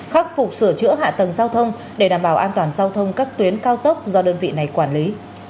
khắc phục sửa chữa hạ tầng giao thông để đảm bảo an toàn giao thông các tuyến cao tốc do đơn vị này quản lý